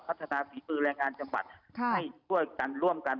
พัฒนาฝีมือแรงงานจังหวัดให้ช่วยกันร่วมกัน